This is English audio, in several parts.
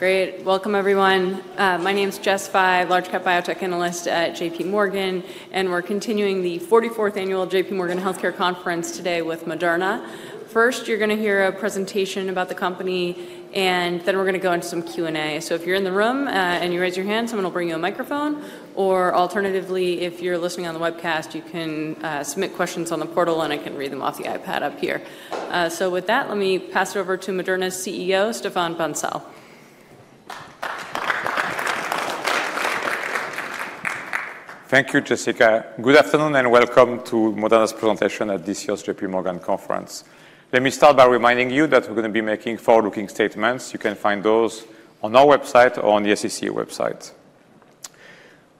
Great. Welcome, everyone. My name's Jessica Fye, large-cap biotech analyst at JPMorgan, and we're continuing the 44th Annual JPMorgan Healthcare Conference today with Moderna. First, you're going to hear a presentation about the company, and then we're going to go into some Q&A. So if you're in the room and you raise your hand, someone will bring you a microphone. Or alternatively, if you're listening on the webcast, you can submit questions on the portal, and I can read them off the iPad up here. So with that, let me pass it over to Moderna's CEO, Stéphane Bancel. Thank you, Jessica. Good afternoon and welcome to Moderna's presentation at this year's JPMorgan Conference. Let me start by reminding you that we're going to be making forward-looking statements. You can find those on our website or on the SEC website.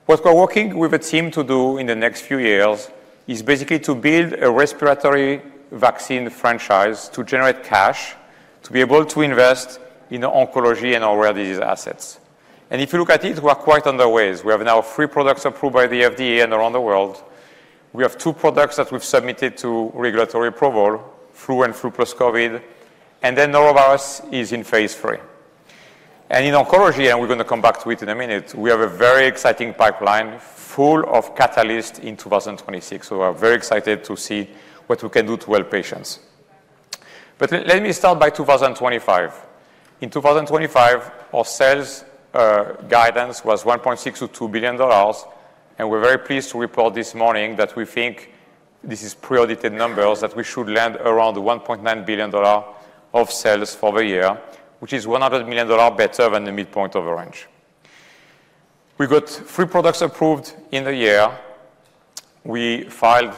What we're working with a team to do in the next few years is basically to build a respiratory vaccine franchise to generate cash to be able to invest in oncology and rare disease assets, and if you look at it, we are quite on the ways. We have now three products approved by the FDA and around the world. We have two products that we've submitted to regulatory approval: flu and flu plus COVID, and then norovirus is in phase III. And in oncology, and we're going to come back to it in a minute, we have a very exciting pipeline full of catalysts in 2026. So we are very excited to see what we can do to help patients. But let me start by 2025. In 2025, our sales guidance was $1.62 billion, and we're very pleased to report this morning that we think this is pre-audited numbers that we should land around $1.9 billion of sales for the year, which is $100 million better than the midpoint of our range. We got three products approved in the year. We filed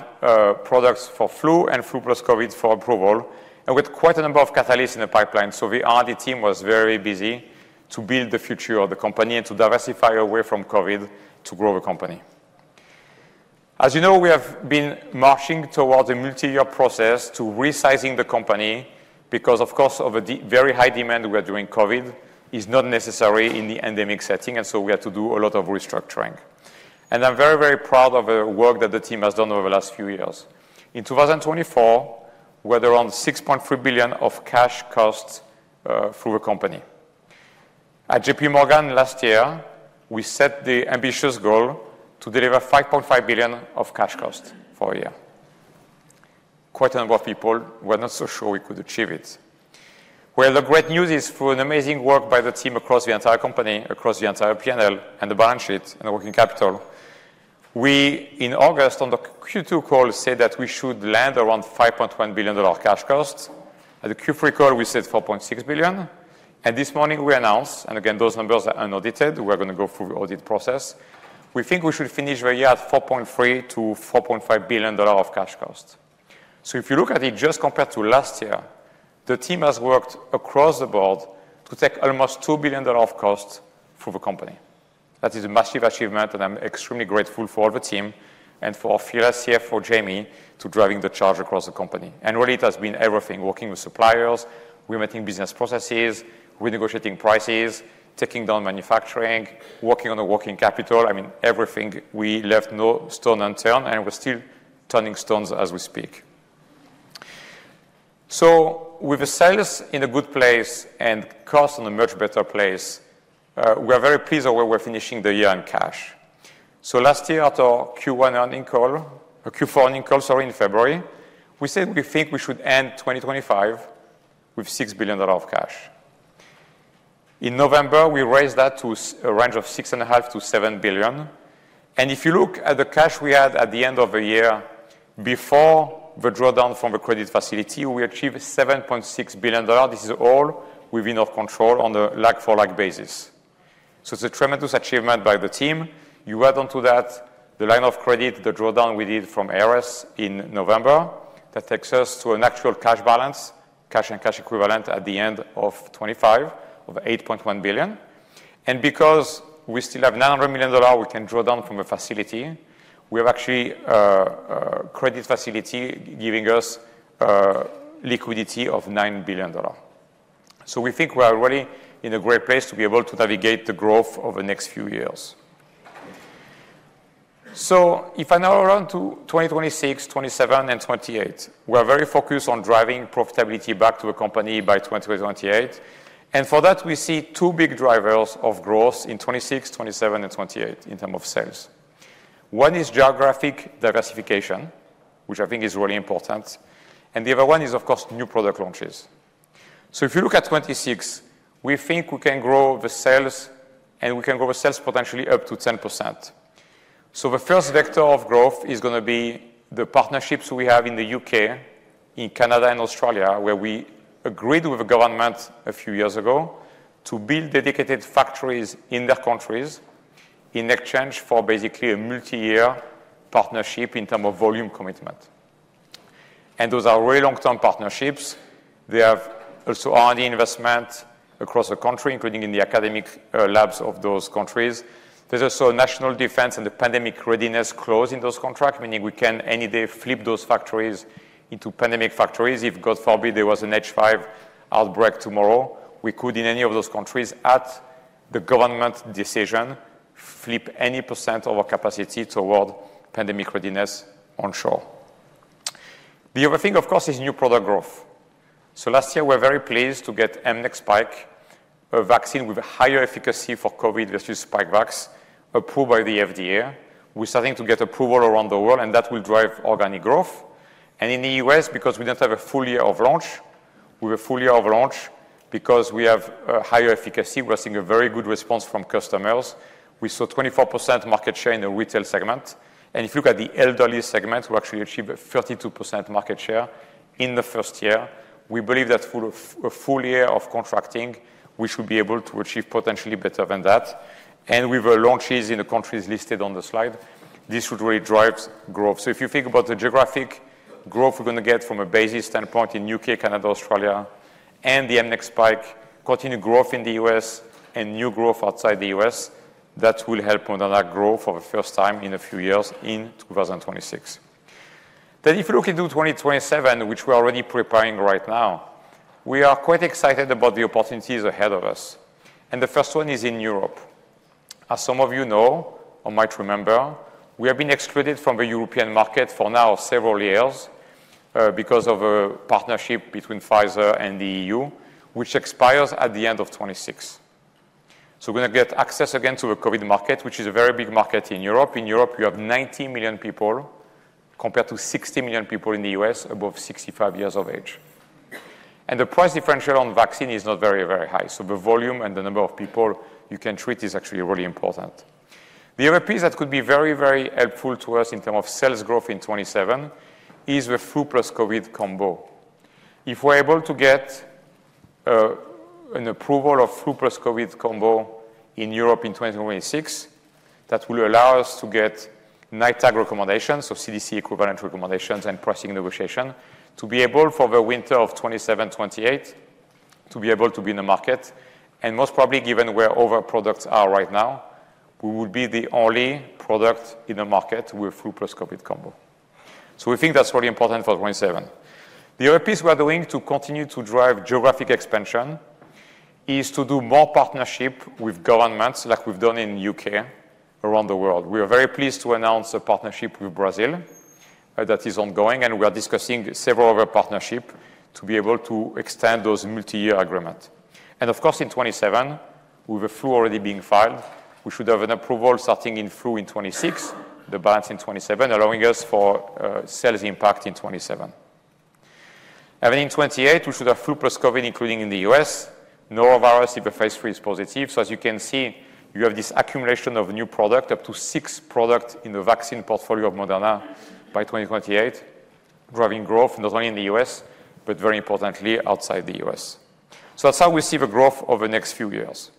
products for flu and flu plus COVID for approval, and we had quite a number of catalysts in the pipeline. So the R&D team was very busy to build the future of the company and to diversify away from COVID to grow the company. As you know, we have been marching towards a multi-year process to resizing the company because, of course, the very high demand we had for COVID is not necessary in the endemic setting, and so we had to do a lot of restructuring. I'm very, very proud of the work that the team has done over the last few years. In 2024, we had around $6.3 billion of cash costs through the company. At JPMorgan last year, we set the ambitious goal to deliver $5.5 billion of cash costs for a year. Quite a number of people were not so sure we could achieve it. Well, the great news is, through amazing work by the team across the entire company, across the entire P&L and the balance sheet and the working capital, we, in August, on the Q2 call, said that we should land around $5.1 billion cash costs. At the Q3 call, we said $4.6 billion. And this morning, we announced, and again, those numbers are unaudited. We're going to go through the audit process. We think we should finish the year at $4.3 billion-$4.5 billion of cash costs. So if you look at it just compared to last year, the team has worked across the board to take almost $2 billion of costs for the company. That is a massive achievement, and I'm extremely grateful for the team and for our fellow CFO, Jamie, to driving the charge across the company. And really, it has been everything: working with suppliers, re-mapping business processes, renegotiating prices, taking down manufacturing, working on the working capital. I mean, everything. We left no stone unturned, and we're still turning stones as we speak. So with the sales in a good place and costs in a much better place, we are very pleased with where we're finishing the year on cash. So last year, at our Q1 earnings call, or Q4 earnings call, sorry, in February, we said we think we should end 2025 with $6 billion of cash. In November, we raised that to a range of $6.5 billion-$7 billion. And if you look at the cash we had at the end of the year before the drawdown from the credit facility, we achieved $7.6 billion. This is all within our control on a lag-for-lag basis. So it's a tremendous achievement by the team. You add on to that the line of credit, the drawdown we did from Ares in November, that takes us to an actual cash balance, cash and cash equivalents at the end of 2025 of $8.1 billion. Because we still have $900 million we can draw down from the facility, we have actually a credit facility giving us liquidity of $9 billion. We think we are really in a great place to be able to navigate the growth over the next few years. If I now run to 2026, 2027, and 2028, we are very focused on driving profitability back to the company by 2028. For that, we see two big drivers of growth in 2026, 2027, and 2028 in terms of sales. One is geographic diversification, which I think is really important. The other one is, of course, new product launches. If you look at 2026, we think we can grow the sales, and we can grow the sales potentially up to 10%. The first vector of growth is going to be the partnerships we have in the U.K., in Canada, and Australia, where we agreed with the government a few years ago to build dedicated factories in their countries in exchange for basically a multi-year partnership in terms of volume commitment. And those are really long-term partnerships. They have also R&D investment across the country, including in the academic labs of those countries. There's also national defense and the pandemic readiness clause in those contracts, meaning we can any day flip those factories into pandemic factories. If, God forbid, there was an H5 outbreak tomorrow, we could, in any of those countries, at the government decision, flip any percent of our capacity toward pandemic readiness onshore. The other thing, of course, is new product growth. So last year, we were very pleased to get mRESVIA, a vaccine with higher efficacy for COVID versus Spikevax, approved by the FDA. We're starting to get approval around the world, and that will drive organic growth. And in the U.S., because we don't have a full year of launch, we have a full year of launch because we have higher efficacy. We're seeing a very good response from customers. We saw 24% market share in the retail segment. And if you look at the elderly segment, we actually achieved a 32% market share in the first year. We believe that for a full year of contracting, we should be able to achieve potentially better than that. And with the launches in the countries listed on the slide, this would really drive growth. So if you think about the geographic growth we're going to get from a basis standpoint in the U.K., Canada, Australia, and the next Spikevax, continued growth in the U.S. and new growth outside the U.S., that will help Moderna grow for the first time in a few years in 2026, then if you look into 2027, which we're already preparing right now, we are quite excited about the opportunities ahead of us, and the first one is in Europe. As some of you know or might remember, we have been excluded from the European market for now several years because of a partnership between Pfizer and the E.U., which expires at the end of 2026, so we're going to get access again to the COVID market, which is a very big market in Europe. In Europe, we have 90 million people compared to 60 million people in the U.S. above 65 years of age. The price differential on vaccine is not very, very high. The volume and the number of people you can treat is actually really important. The other piece that could be very, very helpful to us in terms of sales growth in 2027 is the flu plus COVID combo. If we're able to get an approval of flu plus COVID combo in Europe in 2026, that will allow us to get NITAG recommendations, so CDC equivalent recommendations and pricing negotiation, to be able for the winter of 2027, 2028 to be able to be in the market. Most probably, given where all our products are right now, we would be the only product in the market with flu plus COVID combo. So we think that's really important for 2027. The other piece we're doing to continue to drive geographic expansion is to do more partnership with governments like we've done in the UK around the world. We are very pleased to announce a partnership with Brazil that is ongoing, and we are discussing several other partnerships to be able to extend those multi-year agreements. And of course, in 2027, with the flu already being filed, we should have an approval starting in flu in 2026, the balance in 2027, allowing us for sales impact in 2027. And then in 2028, we should have flu plus COVID, including in the U.S., norovirus if the phase III is positive. So as you can see, you have this accumulation of new product, up to six products in the vaccine portfolio of Moderna by 2028, driving growth not only in the U.S., but very importantly, outside the U.S. So that's how we see the growth over the next few years.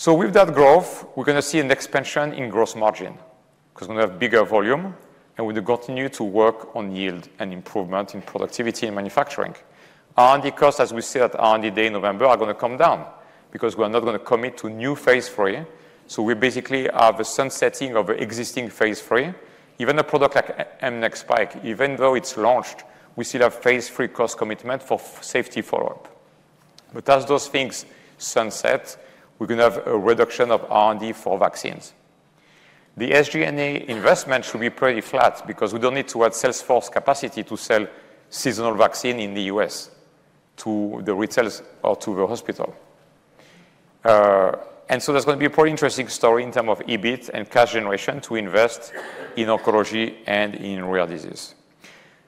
So with that growth, we're going to see an expansion in gross margin because we're going to have bigger volume, and we're going to continue to work on yield and improvement in productivity and manufacturing. R&D costs, as we said at R&D Day in November, are going to come down because we're not going to commit to new phase III. So we basically have a sunsetting of the existing phase III. Even a product like mRESVIA, even though it's launched, we still have phase III cost commitment for safety follow-up. But as those things sunset, we're going to have a reduction of R&D for vaccines. The SG&A investment should be pretty flat because we don't need to add sales force capacity to sell seasonal vaccine in the U.S. to the retail or to the hospital. And so there's going to be a pretty interesting story in terms of EBIT and cash generation to invest in oncology and in rare disease.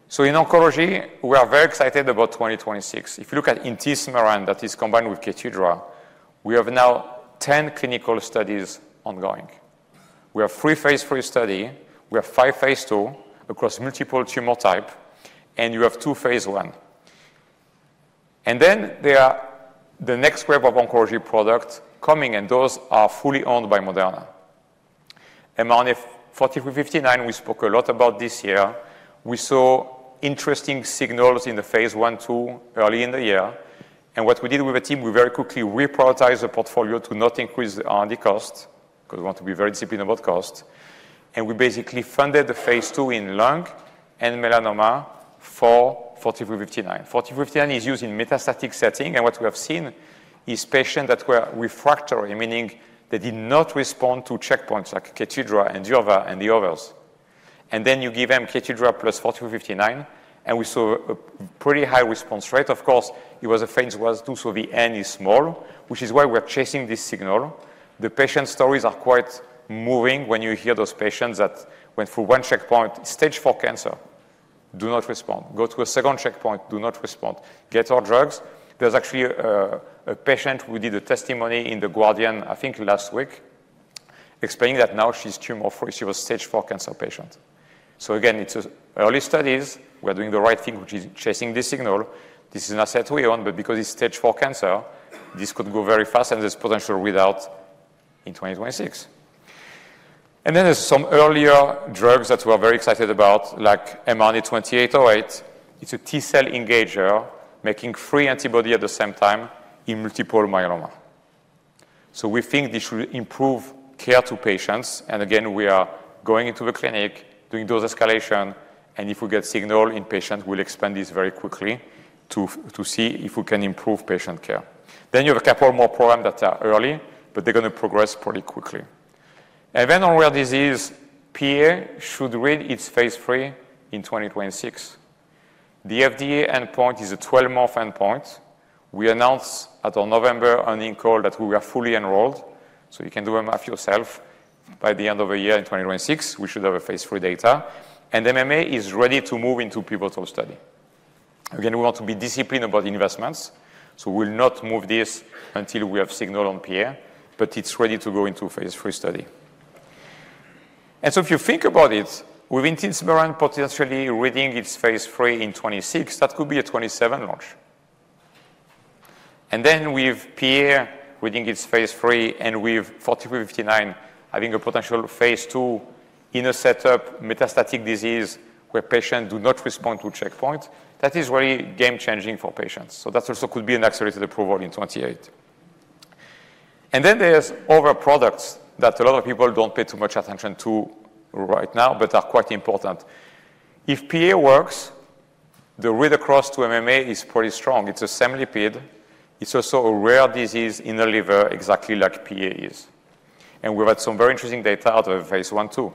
So in oncology, we are very excited about 2026. If you look at mRNA-4157 that is combined with Keytruda, we have now 10 clinical studies ongoing. We have three phase III studies. We have five phase II across multiple tumor types, and you have two phase I. And then there are the next wave of oncology products coming, and those are fully owned by Moderna. mRNA-4359, we spoke a lot about this year. We saw interesting signals in the phase I, II, early in the year. And what we did with the team, we very quickly reprioritized the portfolio to not increase the R&D cost because we want to be very disciplined about cost. And we basically funded the phase II in lung and melanoma for 4359. 4359 is used in metastatic setting, and what we have seen is patients that were refractory, meaning they did not respond to checkpoints like Keytruda and Durvalumab and the others. And then you give them Keytruda plus 4359, and we saw a pretty high response rate. Of course, it was a phase I, II, so the N is small, which is why we're chasing this signal. The patient stories are quite moving when you hear those patients that went through one checkpoint, stage four cancer, do not respond. Go to a second checkpoint, do not respond. Get our drugs. There's actually a patient who did a testimony in The Guardian, I think last week, explaining that now she's tumor free. She was a stage four cancer patient. So again, it's early studies. We're doing the right thing, which is chasing this signal. This is an asset we own, but because it's stage four cancer, this could go very fast, and there's potential readout in 2026. And then there's some earlier drugs that we're very excited about, like mRNA-2808. It's a T-cell engager making three antibodies at the same time in multiple myeloma. So we think this will improve care to patients. And again, we are going into the clinic, doing dose escalation, and if we get signal in patients, we'll expand this very quickly to see if we can improve patient care. Then you have a couple more programs that are early, but they're going to progress pretty quickly. And then on rare disease, PA should read out its phase III in 2026. The FDA endpoint is a 12-month endpoint. We announced at our November earnings call that we were fully enrolled, so you can do the math yourself. By the end of the year in 2026, we should have phase III data. And MMA is ready to move into pivotal study. Again, we want to be disciplined about investments, so we'll not move this until we have signal on PA, but it's ready to go into phase III study. And so if you think about it, with mRNA-4157 potentially reading out its phase III in 2026, that could be a 2027 launch. And then we have PA entering its phase III and we have 4359 having a potential phase II in solid metastatic disease where patients do not respond to checkpoint. That is really game-changing for patients. So that also could be an accelerated approval in 2028. And then there's other products that a lot of people don't pay too much attention to right now, but are quite important. If PA works, the read across to MMA is pretty strong. It's similar. It's also a rare disease in the liver, exactly like PA is. And we've had some very interesting data out of phase I, II.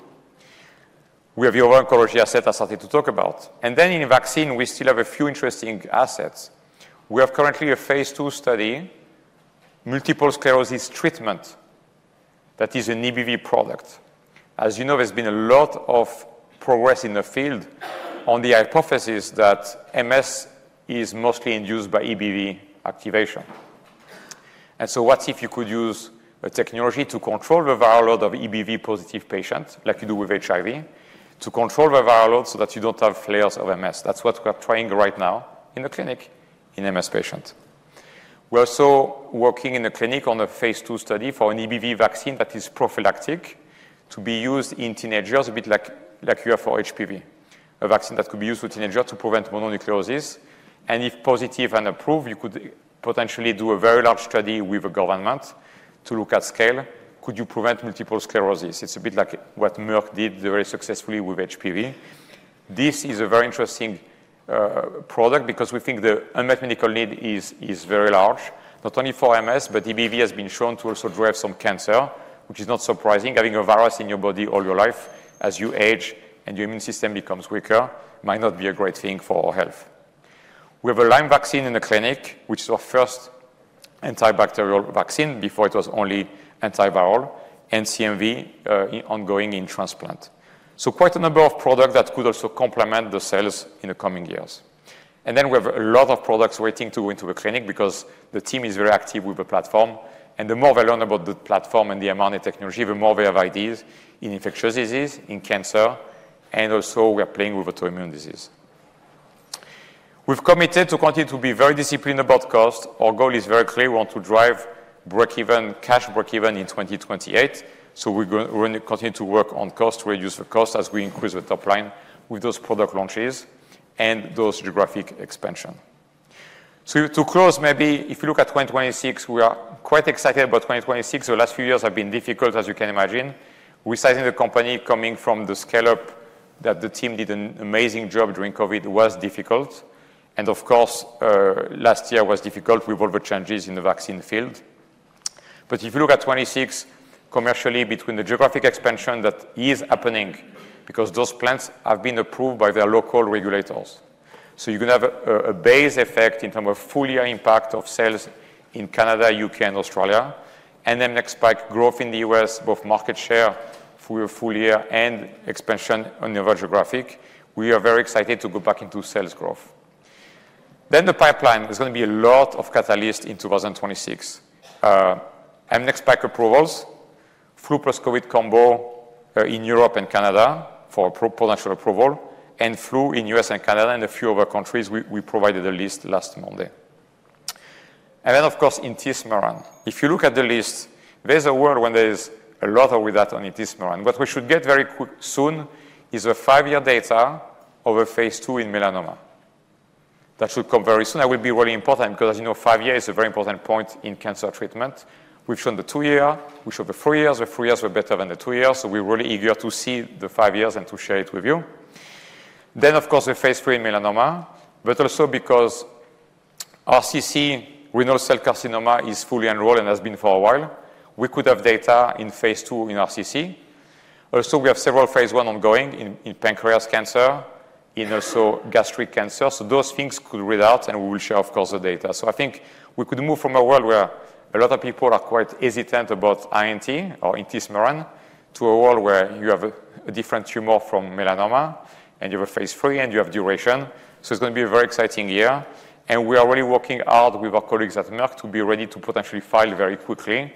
We have the other oncology asset I started to talk about. And then in vaccine, we still have a few interesting assets. We have currently a phase II study, multiple sclerosis treatment that is an EBV product. As you know, there's been a lot of progress in the field on the hypothesis that MS is mostly induced by EBV activation. And so what if you could use a technology to control the viral load of EBV-positive patients, like you do with HIV, to control the viral load so that you don't have flares of MS? That's what we're trying right now in the clinic in MS patients. We're also working in the clinic on a phase II study for an EBV vaccine that is prophylactic to be used in teenagers, a bit like you have for HPV, a vaccine that could be used for teenagers to prevent mononucleosis. And if positive and approved, you could potentially do a very large study with a government to look at scale. Could you prevent multiple sclerosis? It's a bit like what Merck did very successfully with HPV. This is a very interesting product because we think the unmet medical need is very large, not only for MS, but EBV has been shown to also drive some cancer, which is not surprising. Having a virus in your body all your life as you age and your immune system becomes weaker might not be a great thing for our health. We have a Lyme vaccine in the clinic, which is our first antibacterial vaccine before it was only antiviral, and CMV ongoing in transplant, so quite a number of products that could also complement the sales in the coming years, and then we have a lot of products waiting to go into the clinic because the team is very active with the platform. And the more we learn about the platform and the mRNA technology, the more we have ideas in infectious disease, in cancer, and also we are playing with autoimmune disease. We've committed to continue to be very disciplined about cost. Our goal is very clear. We want to drive break-even, cash break-even in 2028. So we're going to continue to work on cost to reduce the cost as we increase the top line with those product launches and those geographic expansion. So to close, maybe if you look at 2026, we are quite excited about 2026. The last few years have been difficult, as you can imagine. Resizing the company coming from the scale-up that the team did an amazing job during COVID was difficult. And of course, last year was difficult with all the changes in the vaccine field. But if you look at 2026 commercially between the geographic expansion that is happening. Because those plants have been approved by their local regulators. So you are going to have a base effect in terms of full year impact of sales in Canada, U.K., and Australia. And then next Spikevax growth in the U.S., both market share for your full year and expansion on your geographic. We are very excited to go back into sales growth. Then the pipeline, there is going to be a lot of catalysts in 2026. mRESVIA approvals, flu plus COVID combo in Europe and Canada for potential approval, and flu in the U.S. and Canada and a few other countries. We provided the list last Monday. And then, of course, mRNA-4157. If you look at the list, there is a word when there is a lot with that on mRNA-4157. What we should get very quickly soon is five-year data of a phase II in melanoma. That should come very soon. That will be really important because, as you know, five years is a very important point in cancer treatment. We've shown the two-year, we showed the three-years, the three-years were better than the two-years. So we're really eager to see the five years and to share it with you. Then, of course, the phase III in melanoma, but also because RCC, renal cell carcinoma, is fully enrolled and has been for a while, we could have data in phase II in RCC. Also, we have several phase I ongoing in pancreatic cancer, and also gastric cancer. So those things could read out, and we will share, of course, the data. I think we could move from a world where a lot of people are quite hesitant about INT or mRNA-4157 to a world where you have a different tumor from melanoma and you have a phase III and you have duration. It's going to be a very exciting year. We are really working hard with our colleagues at Merck to be ready to potentially file very quickly.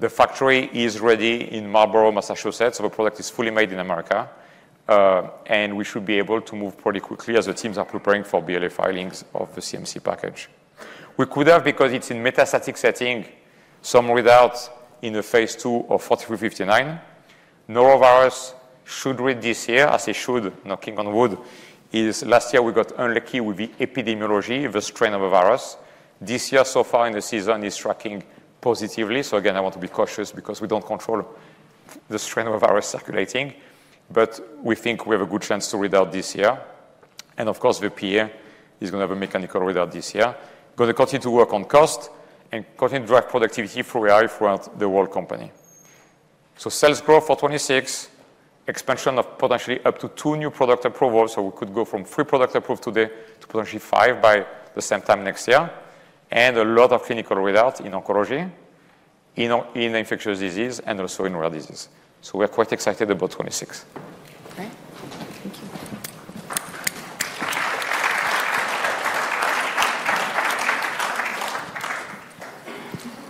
The factory is ready in Marlborough, Massachusetts, so the product is fully made in America. We should be able to move pretty quickly as the teams are preparing for BLA filings of the CMC package. We could have, because it's in metastatic setting, some readouts in the phase II of mRNA-4359. Norovirus should read this year, as it should, knocking on wood. Last year, we got unlucky with the epidemiology, the strain of a virus. This year, so far in the season, it's tracking positively. So again, I want to be cautious because we don't control the strain of a virus circulating, but we think we have a good chance to read out this year. And of course, the PA is going to have a milestone readout this year. Going to continue to work on cost and continue to drive productivity through AI throughout the whole company. So sales growth for 2026, expansion of potentially up to two new product approvals. So we could go from three products approved today to potentially five by the same time next year. And a lot of clinical readouts in oncology, in infectious disease, and also in rare disease. So we're quite excited about 2026. Okay. Thank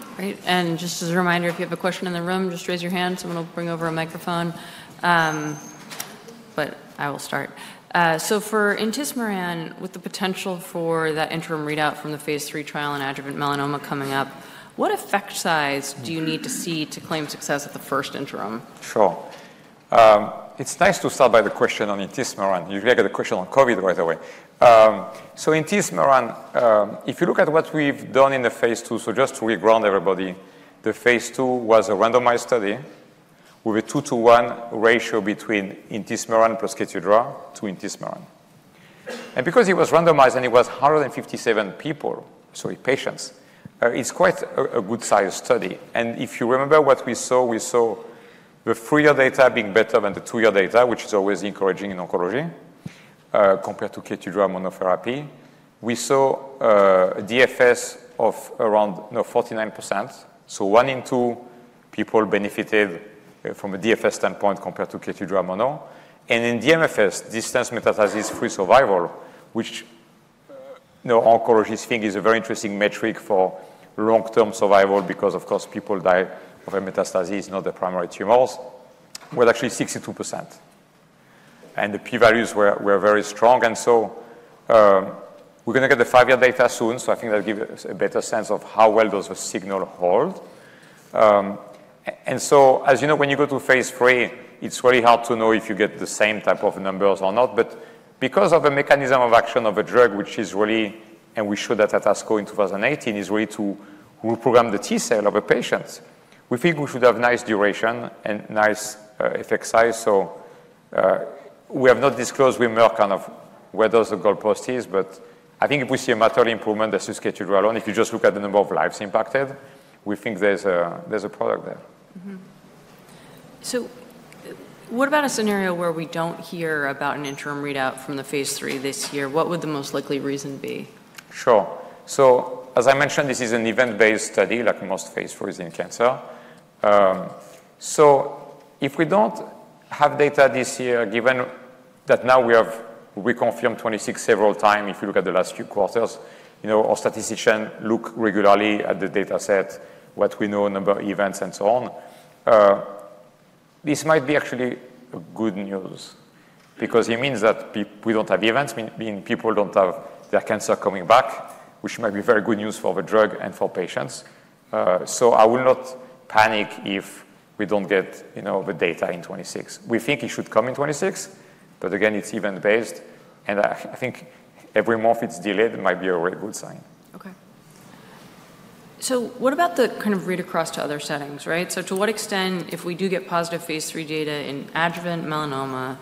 you. Great. And just as a reminder, if you have a question in the room, just raise your hand. Someone will bring over a microphone. But I will start. So for mRNA-4157, with the potential for that interim readout from the phase III trial and adjuvant melanoma coming up, what effect size do you need to see to claim success at the first interim? Sure. It's nice to start by the question on mRNA-4157. You're going to get a question on COVID right away. So mRNA-4157, if you look at what we've done in the phase II, so just to re-ground everybody, the phase II was a randomized study with a two-to-one ratio between mRNA-4157 plus Keytruda to mRNA-4157. And because it was randomized and it was 157 people, sorry, patients, it's quite a good size study. And if you remember what we saw, we saw the three-year data being better than the two-year data, which is always encouraging in oncology compared to Keytruda monotherapy. We saw a DFS of around 49%, so one in two people benefited from a DFS standpoint compared to Keytruda mono, and in DMFS, distant metastasis-free survival, which oncologists think is a very interesting metric for long-term survival because, of course, people die of a metastasis, not the primary tumors, was actually 62%, and the P-values were very strong, and so we're going to get the five-year data soon, so I think that'll give us a better sense of how well does the signal hold, and so, as you know, when you go to phase III, it's really hard to know if you get the same type of numbers or not. But because of the mechanism of action of a drug, which is really, and we showed that at ASCO in 2018, is really to reprogram the T-cell of a patient, we think we should have nice duration and nice effect size. So we have not disclosed with Merck kind of where does the goalpost is, but I think if we see a matter of improvement, that's just Keytruda alone. If you just look at the number of lives impacted, we think there's a product there. So what about a scenario where we don't hear about an interim readout from the phase III this year? What would the most likely reason be? Sure. So, as I mentioned, this is an event-based study, like most phase IIIs in cancer. So if we don't have data this year, given that now we have reconfirmed 2026 several times, if you look at the last few quarters, our statistician looks regularly at the dataset, what we know, number of events, and so on. This might be actually good news because it means that we don't have events, meaning people don't have their cancer coming back, which might be very good news for the drug and for patients. So I will not panic if we don't get the data in 2026. We think it should come in 2026, but again, it's event-based. And I think every month it's delayed might be a really good sign. Okay. So what about the kind of read across to other settings, right? So to what extent, if we do get positive phase III data in adjuvant melanoma,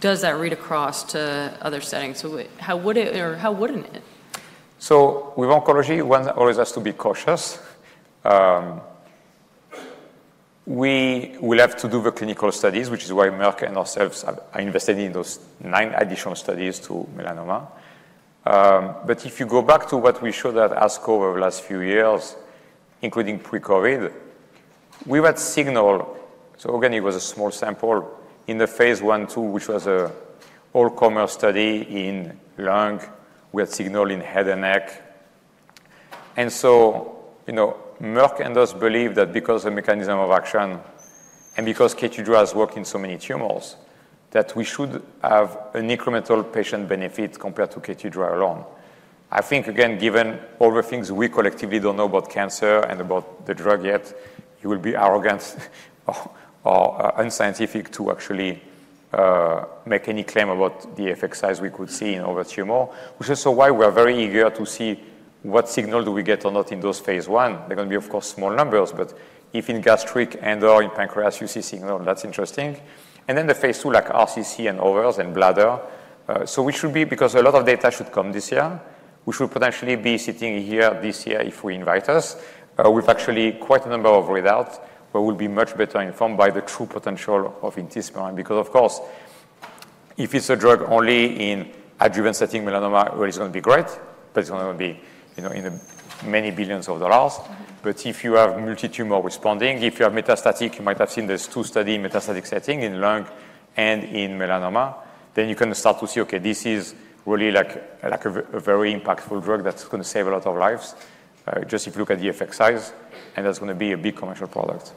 does that read across to other settings? So how wouldn't it? With oncology, one always has to be cautious. We will have to do the clinical studies, which is why Merck and ourselves are investing in those nine additional studies in melanoma. But if you go back to what we showed at ASCO over the last few years, including pre-COVID, we had signal. Again, it was a small sample in the phase I, II, which was an all-comers study in lung. We had signal in head and neck. Merck and us believe that because of the mechanism of action and because Keytruda has worked in so many tumors, that we should have an incremental patient benefit compared to Keytruda alone. I think, again, given all the things we collectively don't know about cancer and about the drug yet, it will be arrogant or unscientific to actually make any claim about the effect size we could see in ovarian tumor, which is also why we're very eager to see what signal do we get or not in those phase I. They're going to be, of course, small numbers, but if in gastric and/or in pancreas, you see signal, that's interesting. Then the phase II, like RCC and others and bladder. We should be, because a lot of data should come this year, we should potentially be sitting here this year if you invite us. We've actually quite a number of readouts where we'll be much better informed by the true potential of mRNA-4157 because, of course, if it's a drug only in adjuvant setting, melanoma really is going to be great, but it's going to be in many billions of dollars. But if you have multi-tumor responding, if you have metastatic, you might have seen there's two studies in metastatic setting, in lung and in melanoma, then you can start to see, okay, this is really like a very impactful drug that's going to save a lot of lives just if you look at the effect size, and that's going to be a big commercial product.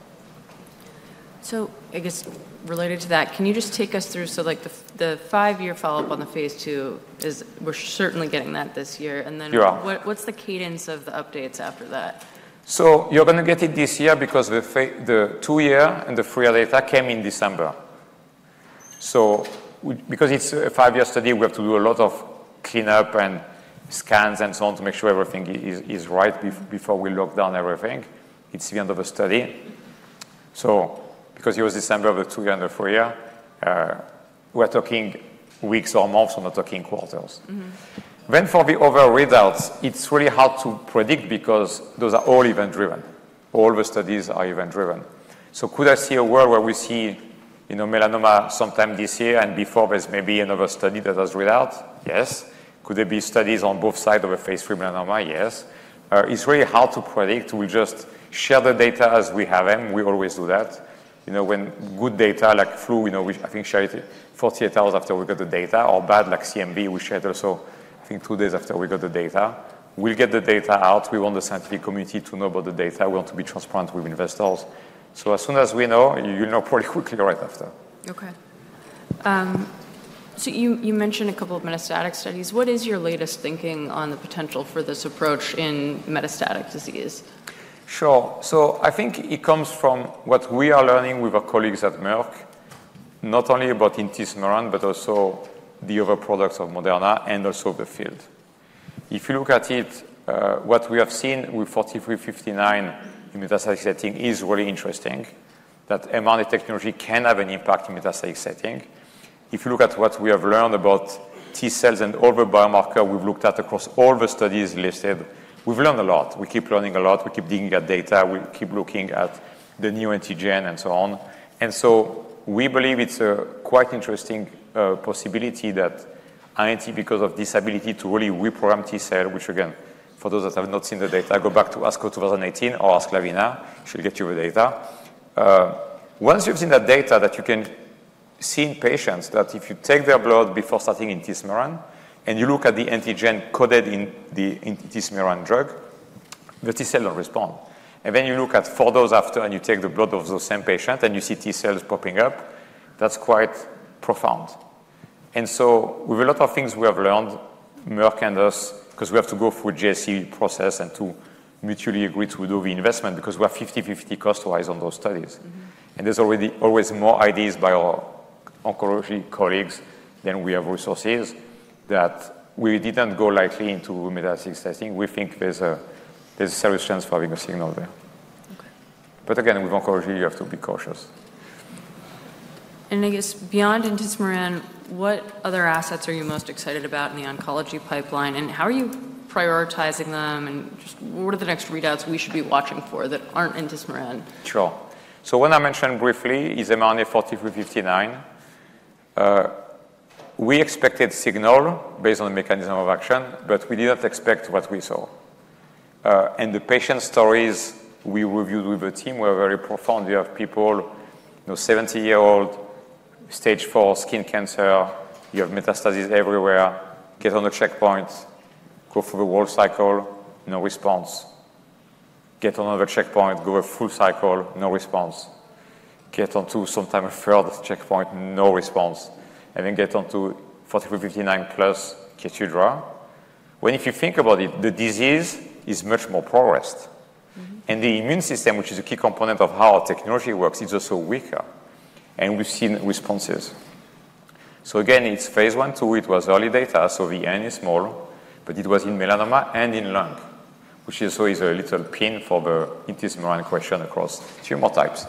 So I guess related to that, can you just take us through, so like the five-year follow-up on the phase II is we're certainly getting that this year. And then what's the cadence of the updates after that? So you're going to get it this year because the two-year and the three-year data came in December. So because it's a five-year study, we have to do a lot of cleanup and scans and so on to make sure everything is right before we lock down everything. It's the end of the study. So because it was December of the two-year and the three-year, we're talking weeks or months or not talking quarters. Then for the overall readouts, it's really hard to predict because those are all event-driven. All the studies are event-driven. So could I see a world where we see melanoma sometime this year and before there's maybe another study that has readouts? Yes. Could there be studies on both sides of a phase III melanoma? Yes. It's really hard to predict. We just share the data as we have them. We always do that. When good data like flu, which I think shared it 48 hours after we got the data, or bad like CMV, we shared also, I think, two days after we got the data. We'll get the data out. We want the scientific community to know about the data. We want to be transparent with investors. So as soon as we know, you'll know pretty quickly right after. Okay. So you mentioned a couple of metastatic studies. What is your latest thinking on the potential for this approach in metastatic disease? Sure. So I think it comes from what we are learning with our colleagues at Merck, not only about mRNA-4157, but also the other products of Moderna and also the field. If you look at it, what we have seen with 4359 in metastatic setting is really interesting, that mRNA technology can have an impact in metastatic setting. If you look at what we have learned about T-cells and all the biomarkers we've looked at across all the studies listed, we've learned a lot. We keep learning a lot. We keep digging at data. We keep looking at the new antigen and so on. And so we believe it's a quite interesting possibility that INT, because of this ability to really reprogram T-cells, which again, for those that have not seen the data, go back to ASCO 2018 or ask Lavina, she'll get you the data. Once you've seen that data that you can see in patients, that if you take their blood before starting mRNA-4157 and you look at the antigen coded in the mRNA-4157 drug, the T-cells don't respond. And then you look at four days after and you take the blood of those same patients and you see T-cells popping up, that's quite profound. And so with a lot of things we have learned, Merck and us, because we have to go through a JSC process and to mutually agree to do the investment because we are 50-50 cost-wise on those studies. And there's already always more ideas by our oncology colleagues than we have resources that we didn't go likely into metastatic testing. We think there's a serious chance for having a signal there. But again, with oncology, you have to be cautious. And I guess beyond mRNA-4157, what other assets are you most excited about in the oncology pipeline? And how are you prioritizing them? And just what are the next readouts we should be watching for that aren't mRNA-4157? Sure. So one I mentioned briefly is mRNA-4359. We expected signal based on the mechanism of action, but we didn't expect what we saw. And the patient stories we reviewed with the team were very profound. You have people, 70-year-old, stage four skin cancer, you have metastases everywhere, get on a checkpoint, go through the whole cycle, no response. Get on another checkpoint, go a full cycle, no response. Get onto sometime a third checkpoint, no response. And then get onto 4359 plus Keytruda. When if you think about it, the disease is much more progressed. And the immune system, which is a key component of how our technology works, it's also weaker. And we've seen responses. So again, it's phase I, II, it was early data, so the N is small, but it was in melanoma and in lung, which is always a little pain for the INT question across tumor types.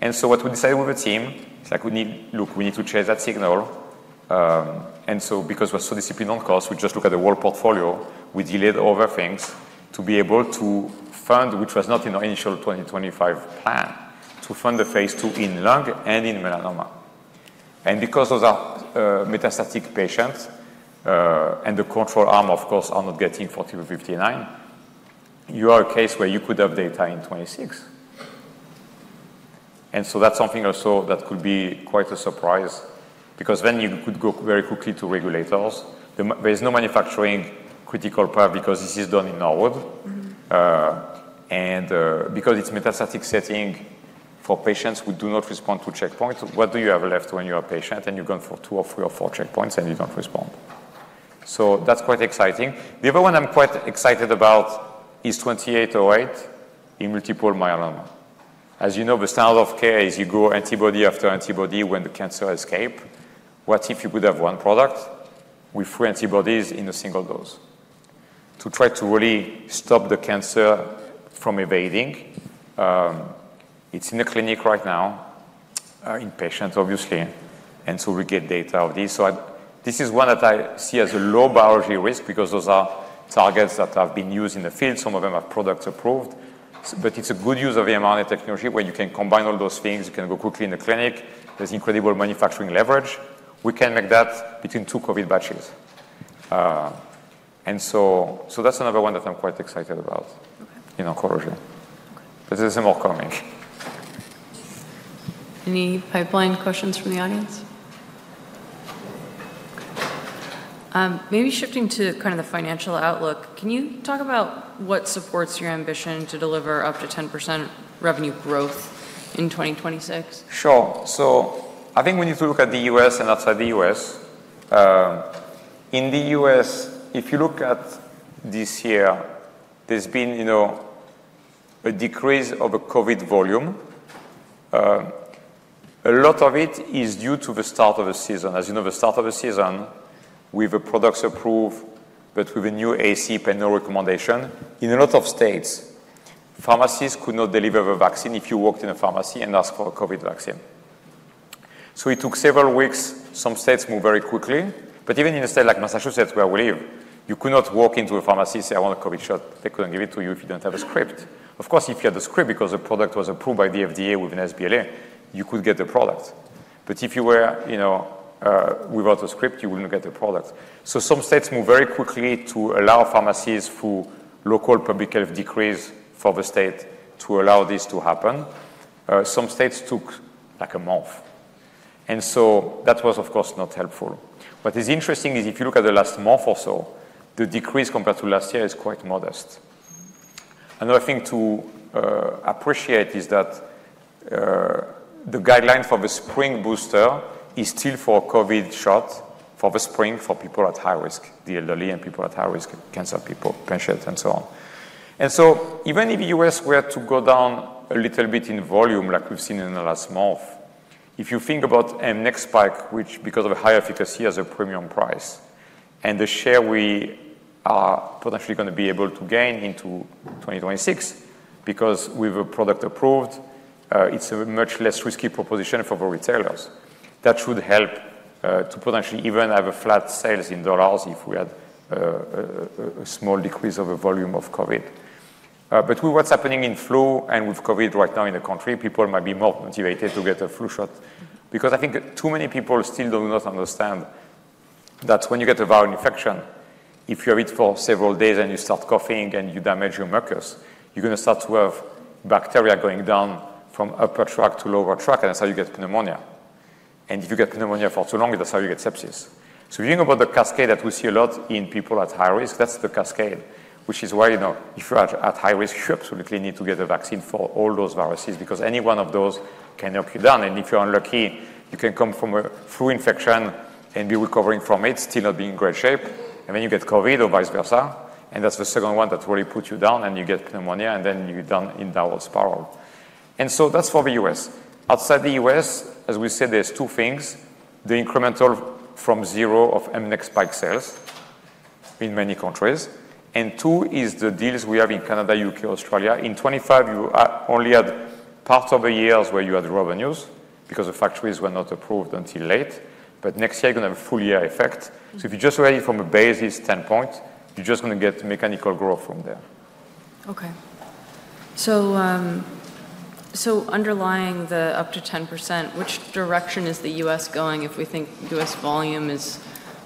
And so what we decided with the team is like, we need to change that signal. Because we're so disciplined on cost, we just look at the whole portfolio. We delayed over things to be able to fund, which was not in our initial 2025 plan, to fund the phase II in lung and in melanoma. Because those are metastatic patients and the control arm, of course, are not getting 4359, you are a case where you could have data in 2026. That's something also that could be quite a surprise because then you could go very quickly to regulators. There is no manufacturing critical part because this is done in Norwood. Because it's metastatic setting for patients who do not respond to checkpoints, what do you have left when you're a patient and you've gone for two or three or four checkpoints and you don't respond? That's quite exciting. The other one I'm quite excited about is 2808 in multiple myeloma. As you know, the standard of care is you go antibody after antibody when the cancer escapes. What if you could have one product with three antibodies in a single dose to try to really stop the cancer from evading? It's in the clinic right now in patients, obviously. And so we get data of these. So this is one that I see as a low biology risk because those are targets that have been used in the field. Some of them have products approved. But it's a good use of mRNA technology where you can combine all those things. You can go quickly in the clinic. There's incredible manufacturing leverage. We can make that between two COVID batches. And so that's another one that I'm quite excited about in oncology. But there's more coming. Any pipeline questions from the audience? Maybe shifting to kind of the financial outlook, can you talk about what supports your ambition to deliver up to 10% revenue growth in 2026? Sure. So I think we need to look at the U.S. and outside the U.S. In the U.S., if you look at this year, there's been a decrease of a COVID volume. A lot of it is due to the start of the season. As you know, the start of the season with the products approved, but with a new ACIP and no recommendation. In a lot of states, pharmacies could not deliver the vaccine if you walked in a pharmacy and asked for a COVID vaccine. So it took several weeks. Some states move very quickly. But even in a state like Massachusetts, where we live, you could not walk into a pharmacy and say, "I want a COVID shot." They couldn't give it to you if you didn't have a script. Of course, if you had the script because the product was approved by the FDA with an sBLA, you could get the product. But if you were without a script, you wouldn't get the product. So some states move very quickly to allow pharmacies through local public health decree for the state to allow this to happen. Some states took like a month. And so that was, of course, not helpful. What is interesting is if you look at the last month or so, the decrease compared to last year is quite modest. Another thing to appreciate is that the guideline for the spring booster is still for a COVID shot for the spring, for people at high risk, the elderly and people at high risk, cancer people, patients, and so on. And so even if the U.S. were to go down a little bit in volume, like we've seen in the last month, if you think about Spikevax, which because of the high efficacy has a premium price and the share we are potentially going to be able to gain into 2026 because we have a product approved, it's a much less risky proposition for retailers. That should help to potentially even have flat sales in dollars if we had a small decrease of the volume of COVID. With what's happening in flu and with COVID right now in the country, people might be more motivated to get a flu shot because I think too many people still do not understand that when you get a viral infection, if you have it for several days and you start coughing and you damage your mucus, you're going to start to have bacteria going down from upper tract to lower tract, and that's how you get pneumonia. If you get pneumonia for too long, that's how you get sepsis. If you think about the cascade that we see a lot in people at high risk, that's the cascade, which is why if you're at high risk, you absolutely need to get a vaccine for all those viruses because any one of those can knock you down. If you're unlucky, you can come from a flu infection and be recovering from it, still not being in great shape, and then you get COVID or vice versa. And that's the second one that really puts you down, and you get pneumonia, and then you're done in that whole spiral. And so that's for the U.S. Outside the U.S., as we said, there's two things. The incremental from zero of mRNA pipeline sales in many countries. And two is the deals we have in Canada, U.K., Australia. In 2025, you only had part of the years where you had revenues because the factories were not approved until late. But next year, you're going to have full year effect. So if you just rate it from a basis standpoint, you're just going to get mechanical growth from there. Okay. So underlying the up to 10%, which direction is the U.S. going if we think U.S. volume is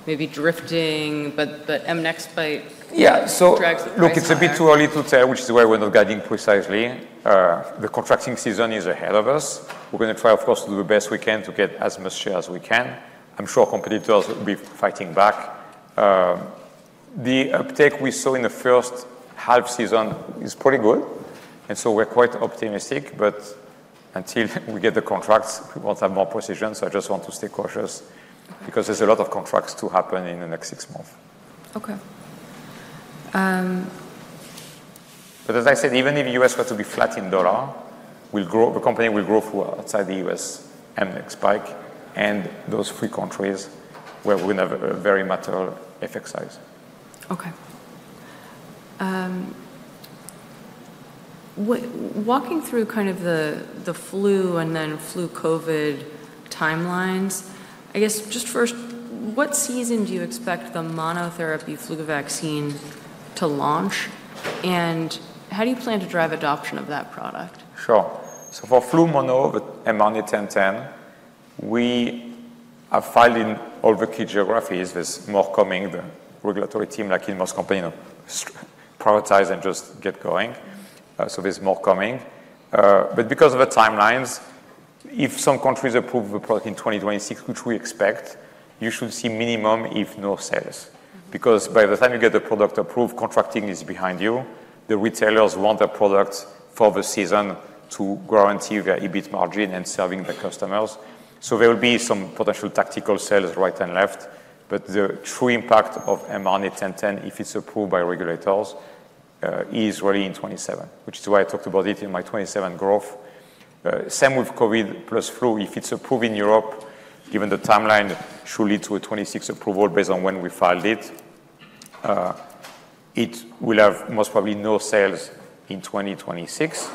maybe drifting, but MNX pipe drags the pressure? Yeah, so look, it's a bit too early to tell, which is why we're not guiding precisely. The contracting season is ahead of us. We're going to try, of course, to do the best we can to get as much share as we can. I'm sure competitors will be fighting back. The uptake we saw in the first half season is pretty good, and so we're quite optimistic, but until we get the contracts, we won't have more precision, so I just want to stay cautious because there's a lot of contracts to happen in the next six months. Okay. But as I said, even if the U.S. were to be flat in dollars, the company will grow through outside the U.S., mRNA spike, and those three countries where we're going to have a very material effect size. Okay. Walking through kind of the flu and then flu COVID timelines, I guess just first, what season do you expect the monotherapy flu vaccine to launch? And how do you plan to drive adoption of that product? Sure. So for flu mono with mRNA-1010, we are filing all the key geographies. There's more coming. The regulatory team, like in most countries, prioritize and just get going. So there's more coming. But because of the timelines, if some countries approve the product in 2026, which we expect, you should see minimal, if any, sales. Because by the time you get the product approved, contracting is behind you. The retailers want the product for the season to guarantee their EBIT margin and serving the customers. So there will be some potential tactical sales right and left. But the true impact of mRNA-1010, if it's approved by regulators, is really in 2027, which is why I talked about it in my 2027 growth. Same with COVID plus flu. If it's approved in Europe, given the timeline, it should lead to a 2026 approval based on when we filed it. It will have most probably no sales in 2026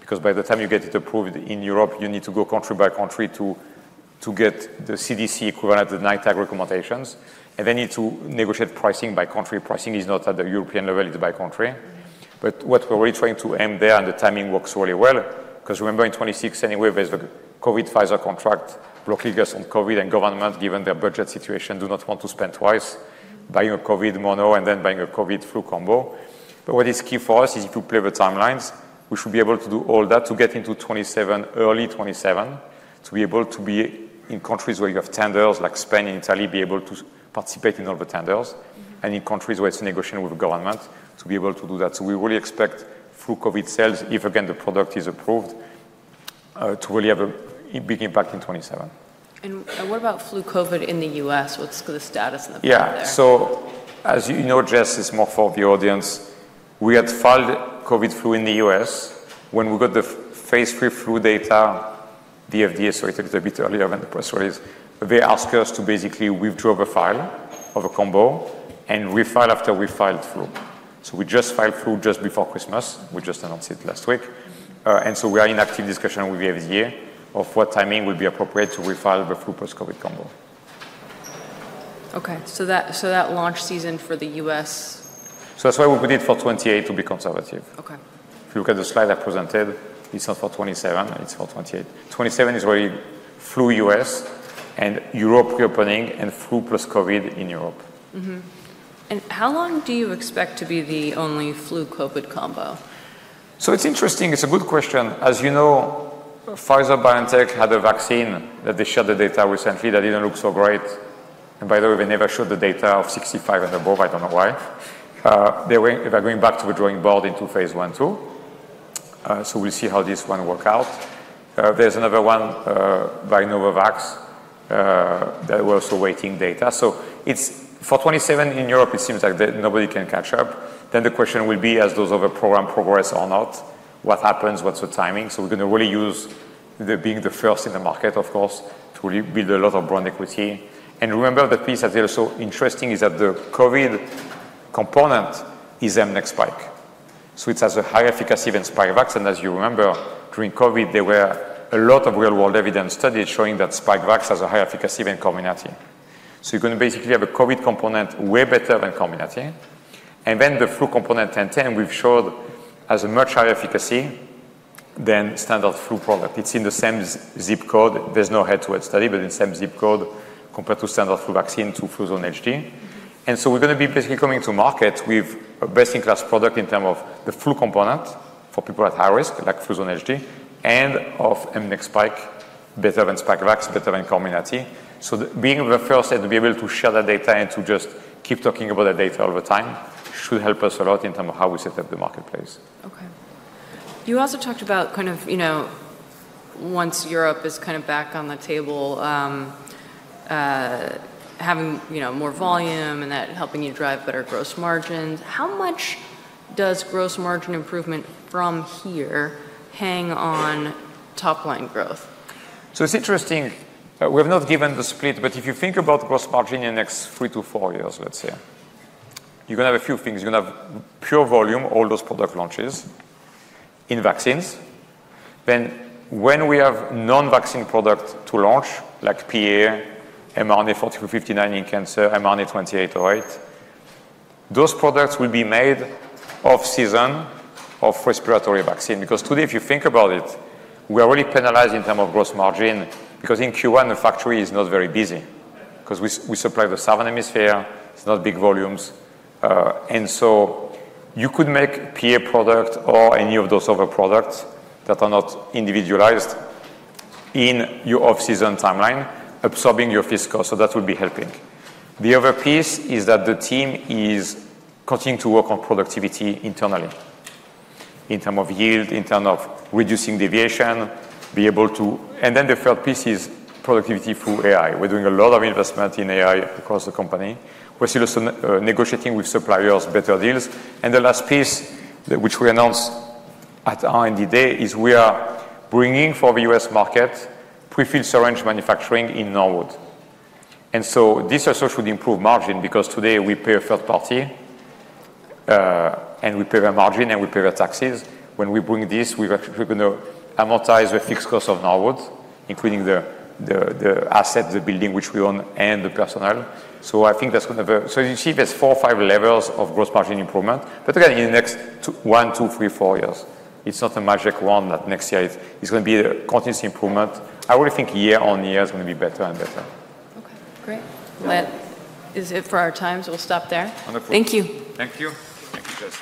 because by the time you get it approved in Europe, you need to go country by country to get the CDC equivalent of the NITAG recommendations. And then you need to negotiate pricing by country. Pricing is not at the European level. It's by country. But what we're really trying to aim there, and the timing works really well, because remember in 2026, anyway, there's the COVID Pfizer contract. Bloc leaders on COVID and governments, given their budget situation, do not want to spend twice buying a COVID mono and then buying a COVID flu combo. But what is key for us is, if you play the timelines, we should be able to do all that to get into 2027, early 2027, to be able to be in countries where you have tenders, like Spain and Italy, be able to participate in all the tenders. And in countries where it's a negotiation with government, to be able to do that. So we really expect through COVID sales, if again, the product is approved, to really have a big impact in 2027. And what about flu COVID in the U.S.? What's the status in the pipeline there? Yeah. So as you know, Jess, it's more for the audience. We had filed COVID flu in the U.S. When we got the phase III flu data, the FDA started a bit earlier than the press release. They asked us to basically withdraw the file of a combo and refile after we filed flu. So we just filed flu just before Christmas. We just announced it last week. And so we are in active discussion with the FDA of what timing would be appropriate to refile the flu plus COVID combo. Okay. So that launch season for the U.S.? So that's why we put it for 2028 to be conservative. If you look at the slide I presented, it's not for 2027. It's for 2028. 2027 is really flu U.S. and Europe reopening and flu plus COVID in Europe. How long do you expect to be the only flu COVID combo? So it's interesting. It's a good question. As you know, Pfizer-BioNTech had a vaccine that they shared the data recently that didn't look so great. And by the way, they never showed the data of 65 and above. I don't know why. They were going back to the drawing board into phase I, II. So we'll see how this one works out. There's another one by Novavax that we're also waiting data. So for 2027 in Europe, it seems like nobody can catch up. Then the question will be, as those other programs progress or not, what happens? What's the timing? So we're going to really use being the first in the market, of course, to really build a lot of brand equity. And remember the piece that's also interesting is that the COVID component is mRNA spike. So it has a high efficacy against Spikevax. As you remember, during COVID, there were a lot of real-world evidence studies showing that Spikevax has a high efficacy and Comirnaty. So you're going to basically have a COVID component way better than Comirnaty. And then the flu component 1010, we've showed has a much higher efficacy than standard flu product. It's in the same zip code. There's no head-to-head study, but in the same zip code compared to standard flu vaccine to Fluzone High-Dose. And so we're going to be basically coming to market with a best-in-class product in terms of the flu component for people at high risk like Fluzone High-Dose and of mRNA spike, better than Spikevax, better than Comirnaty. Being the first to be able to share that data and to just keep talking about that data all the time should help us a lot in terms of how we set up the marketplace. Okay. You also talked about kind of once Europe is kind of back on the table, having more volume and that helping you drive better gross margins. How much does gross margin improvement from here hang on top-line growth? It's interesting. We have not given the split, but if you think about gross margin in the next three to four years, let's say, you're going to have a few things. You're going to have pure volume, all those product launches in vaccines. Then when we have non-vaccine products to launch, like PA, mRNA-4359 in cancer, mRNA-2808, those products will be made off-season of respiratory vaccine. Because today, if you think about it, we are really penalized in terms of gross margin because in Q1, the factory is not very busy because we supply the Southern Hemisphere. It's not big volumes, and so you could make PA product or any of those other products that are not individualized in your off-season timeline, absorbing your fiscal. So that will be helping. The other piece is that the team is continuing to work on productivity internally, in terms of yield, in terms of reducing deviation, be able to. And then the third piece is productivity through AI. We're doing a lot of investment in AI across the company. We're still negotiating with suppliers, better deals. And the last piece, which we announced at R&D Day, is we are bringing for the U.S. market pre-filled syringe manufacturing in Norwood. And so this also should improve margin because today we pay a third party and we pay their margin and we pay their taxes. When we bring this, we're going to amortize the fixed cost of Norwood, including the asset, the building which we own, and the personnel. So I think that's going to be. So you see there's four or five levels of gross margin improvement. But again, in the next one, two, three, four years, it's not a magic one that next year is going to be a continuous improvement. I really think year on year is going to be better and better. Okay. Great. Is that our time? We'll stop there. Wonderful. Thank you. Thank you. Thank you, Jess.